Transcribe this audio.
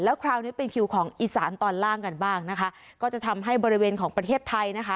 คราวนี้เป็นคิวของอีสานตอนล่างกันบ้างนะคะก็จะทำให้บริเวณของประเทศไทยนะคะ